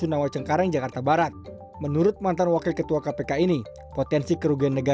dugaan korupsi yang dimaksud bambang itu yaitu terkait pembelian lahan untuk keluarga